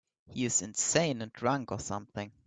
He's insane or drunk or something.